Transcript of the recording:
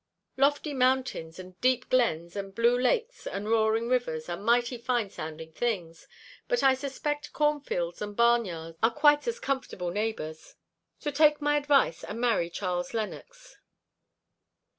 Lofty mountains and deep glens, and blue lakes and roaring rivers, are mighty fine sounding things; but I suspect cornfields and barnyards are quit as comfortable neighbours; so take my advice and marry Charles Lennox."